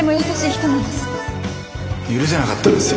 許せなかったんですよ。